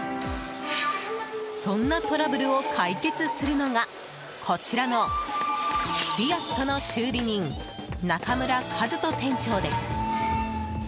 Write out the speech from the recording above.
そんなトラブルを解決するのがこちらのリアット！の修理人中村一登店長です。